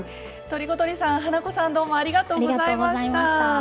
とりことりさん花子さんどうもありがとうございました。